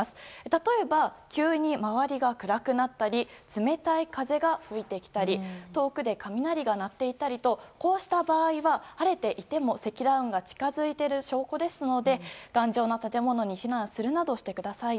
例えば、急に周りが暗くなったり冷たい風が吹いてきたり遠くで雷が鳴っていたりとこうした場合は晴れていても積乱雲が近づいている証拠ですので頑丈な建物に避難するなどしてください。